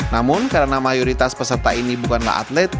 namun karena mayoritas peserta ini bukanlah atlet